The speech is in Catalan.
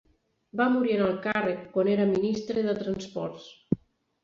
Va morir en el càrrec, quan era Ministre de Transports.